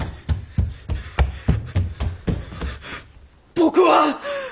僕は！